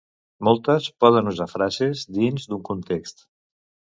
Moltes poden usar frases dins d'un context.